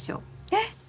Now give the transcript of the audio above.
えっ！